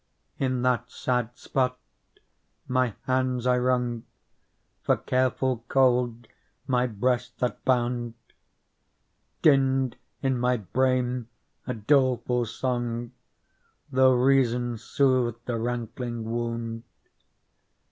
In that sad spot my hands I wrung For care full cold my breast that bound. Dinned in my brain a doleful song, Tho' reason soothed the rankling wound.